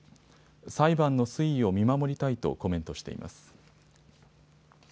裁判の推移を見守りたいとコメントしています。